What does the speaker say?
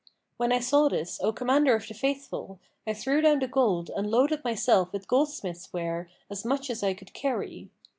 When I saw this, O Commander of the Faithful, I threw down the gold and loaded myself with goldsmiths' ware, as much as I could carry.